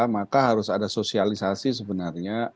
maka harus ada sosialisasi sebenarnya